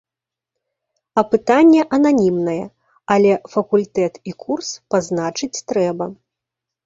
Апытанне ананімнае, але факультэт і курс пазначыць трэба.